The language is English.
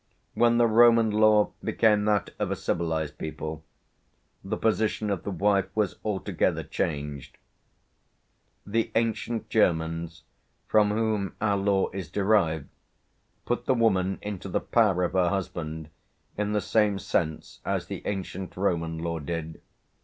When the Roman law became that of a civilised people, the position of the wife was altogether changed.... The ancient Germans from whom our law is derived put the woman into the power of her husband in the same sense as the ancient Roman law did.